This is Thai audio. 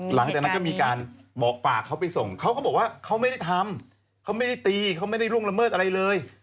หลังจากนั้นก็มีการบอกฝากเขาไปส่งเขาก็บอกว่าเขาไม่ได้ทำเขาไม่ได้ตีเขาไม่ได้ล่วงละเมิดอะไรเลย